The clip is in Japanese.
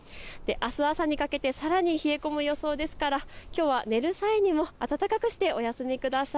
あす朝にかけて、さらに冷え込む予想ですから、きょうは寝る際にも暖かくしてお休みください。